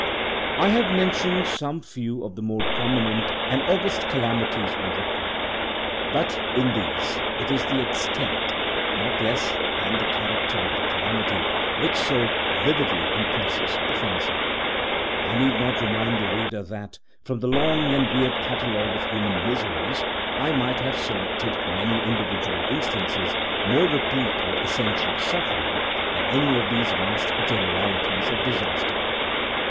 I have mentioned some few of the more prominent and august calamities on record; but in these it is the extent, not less than the character of the calamity, which so vividly impresses the fancy. I need not remind the reader that, from the long and weird catalogue of human miseries, I might have selected many individual instances more replete with essential suffering than any of these vast generalities of disaster.